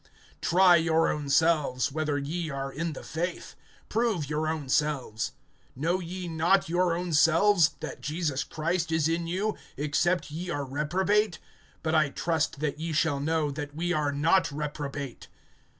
(5)Try your own selves, whether ye are in the faith; prove your own selves. Know ye not your own selves, that Jesus Christ is in you, except ye are reprobate? (6)But I trust that ye shall know, that we are not reprobate.